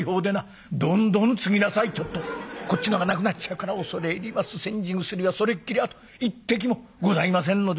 「ちょっとこっちのがなくなっちゃうから恐れ入ります煎じ薬はそれっきりあと一滴もございませんので」。